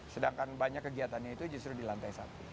sedangkan banyak kegiatannya itu justru di lantai satu